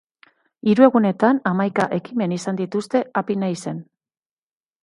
Hiru egunetan hamaika ekimen izan dituzte Apinaizen.